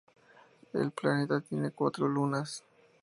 El planeta tiene cuatro lunas.